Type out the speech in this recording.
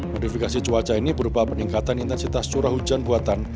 modifikasi cuaca ini berupa peningkatan intensitas curah hujan buatan